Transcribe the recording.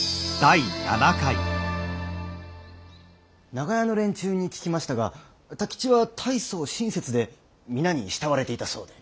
・長屋の連中に聞きましたが太吉は大層親切で皆に慕われていたそうで。